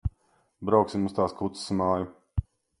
Brauksim uz tās kuces māju.